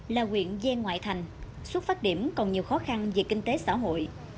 là quyện gian ngoại thành xuất phát điểm còn nhiều khó khăn về kinh tế xã hội